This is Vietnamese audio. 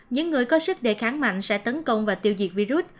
những người có sức đề kháng mạnh sẽ tấn công và tiêu diệt virus